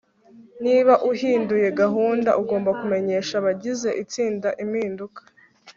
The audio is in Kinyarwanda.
niba uhinduye gahunda, ugomba kumenyesha abagize itsinda impinduka